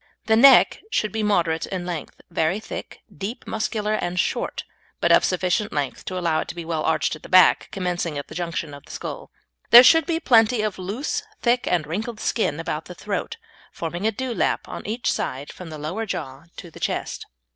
The neck should be moderate in length, very thick, deep, muscular, and short, but of sufficient length to allow it to be well arched at the back, commencing at the junction with the skull. There should be plenty of loose, thick, and wrinkled skin about the throat, forming a dewlap on each side from the lower jaw to the chest.